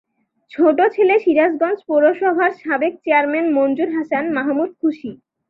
ছোট ছেলে সিরাজগঞ্জ পৌরসভার সাবেক চেয়ারম্যান মঞ্জুর হাসান মাহমুদ খুশী।